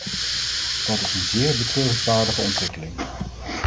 Dat is een zeer betreurenswaardige ontwikkeling.